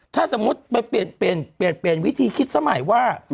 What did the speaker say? ถ้าสมมติไปเปลี่ยนวิธีสมัยว่า